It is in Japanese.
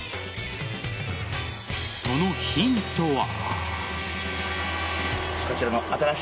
そのヒントは。